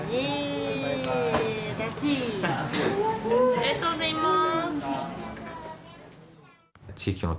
ありがとうございます。